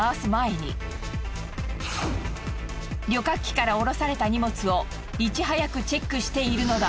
旅客機から降ろされた荷物をいち早くチェックしているのだ。